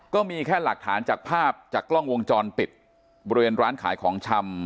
ก็มีแค่หลักฐานจากภาพจากกล้องวงจรปิดบริเวณร้านขายของชำ